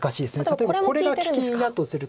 例えばこれが利きだとすると。